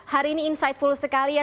hari ini insightful sekali ya